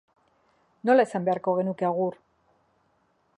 Nola esan behar genuke agur?